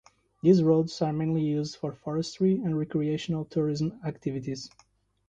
These roads are mainly used for forestry and recreational tourism activities.